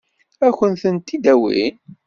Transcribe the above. Ad kent-tent-id-awin?